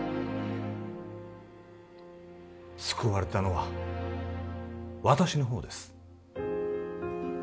救われたのは私の方です